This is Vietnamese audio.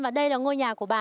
và đây là ngôi nhà của bà